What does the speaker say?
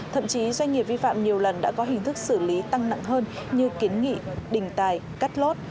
thậm chí doanh nghiệp vi phạm nhiều lần đã có hình thức xử lý tăng nặng hơn như kiến nghị đình tài cắt lốt